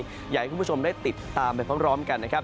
อยากให้คุณผู้ชมได้ติดตามไปพร้อมกันนะครับ